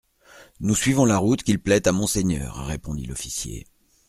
Nous suivons la route qu'il plaît à Monseigneur, répondit l'officier.